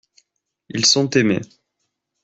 Ils sont aimés.